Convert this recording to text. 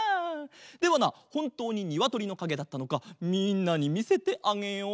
ではなほんとうににわとりのかげだったのかみんなにみせてあげよう。